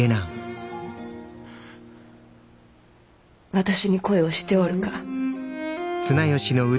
私に恋をしておるか。